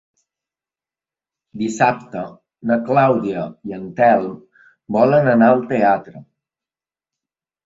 Dissabte na Clàudia i en Telm volen anar al teatre.